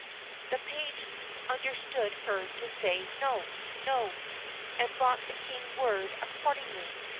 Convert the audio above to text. The page understood her to say, "No, no!" and brought the king word accordingly.